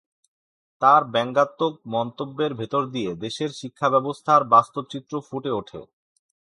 তার ব্যঙ্গাত্মক মন্তব্যের ভেতর দিয়ে দেশের শিক্ষাব্যবস্থার বাস্তব চিত্র ফুটে ওঠে।